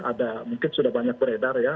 ada mungkin sudah banyak beredar ya